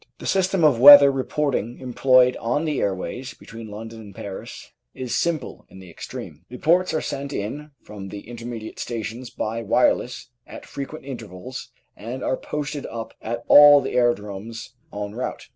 The system of weather reporting employed on the airways between London and Paris is simple in the extreme. Reports are sent in from the intermediate stations by wireless at frequent Applied Science 847 intervals and are posted up at all the aerodromes en route.